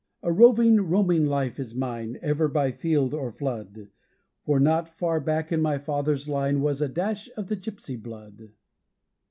A roving, roaming life is mine, Ever by field or flood For not far back in my father's line Was a dash of the Gipsy blood.